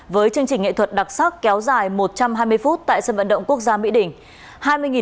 với chương trình nghệ thuật đặc sắc kéo dài một trăm hai mươi phút tại sân vận động quốc gia mỹ đình